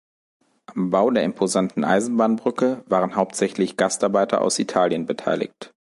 Am Bau der imposanten Eisenbahnbrücke waren hauptsächlich Gastarbeiter aus Italien beteiligt.